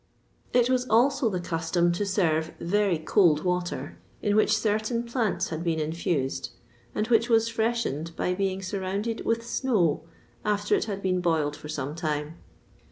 [XXVI 47] It was also the custom to serve very cold water, in which certain plants had been infused, and which was freshened by being surrounded with snow after it had been boiled for some time.